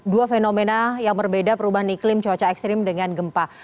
dua fenomena yang berbeda perubahan iklim cuaca ekstrim dengan gempa